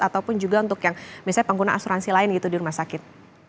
ataupun juga untuk yang misalnya pengguna asuransi lain gitu di rumah sakit